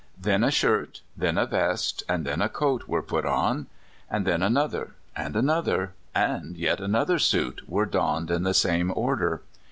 Then a shirt, then a vest, and then a coat were put on. And then another, and another, and yet another suit were donned in the same order.